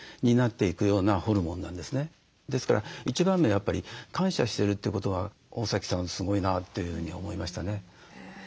ですから一番目はやっぱり感謝してるということが大崎さんはすごいなというふうに思いましたね。